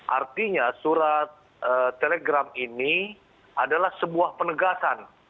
artinya surat telegram ini adalah sebuah penegasan